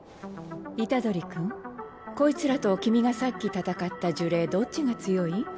虎杖君こいつらと君がさっき戦った呪霊どっちが強い？